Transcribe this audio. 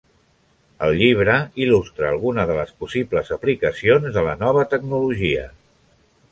El llibre il·lustra algunes de les possibles aplicacions de la nova tecnologia.